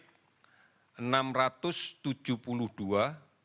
sehingga kita dapatkan kondisi positif yang lebih tinggi